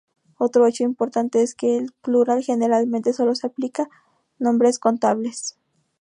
Otro hecho importante es que el plural generalmente solo se aplica nombres contables.